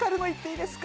いいですか？